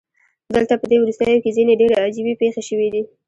دلته پدې وروستیو کې ځینې ډیرې عجیبې پیښې شوې دي